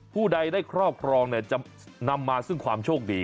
ผู้ใดได้ครอบครองจะนำมาซึ่งความโชคดี